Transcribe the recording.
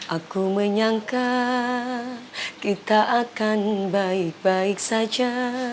aku menyangka kita akan baik baik saja